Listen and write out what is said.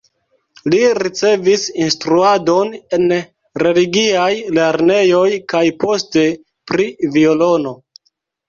Li ricevis instruadon en religiaj lernejoj kaj poste pri violono.